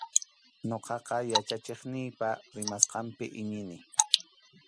Ñuqaqa yachachiqniypa rimasqanpi iñini.